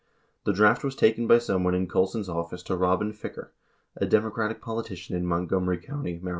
The draft was taken by someone in Colson's office to Robin Ficker, a Democratic politician in Montgomery County, Md.